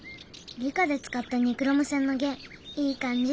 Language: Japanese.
理科で使ったニクロム線の弦いい感じ。